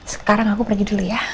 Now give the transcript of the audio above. sekarang aku pergi dulu ya